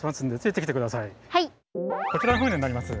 こちらの船になります。